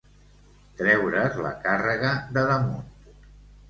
Treure's la càrrega de damunt.